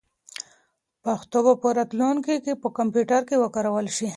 پښتو به په راتلونکي کې په کمپیوټر کې وکارول شي.